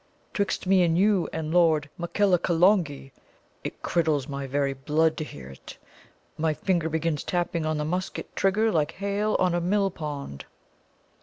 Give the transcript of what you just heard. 'Twixt me and you and Lord Makellacolongee, it criddles my very blood to hear it. My finger begins tapping on the musket trigger like hail on a millpond."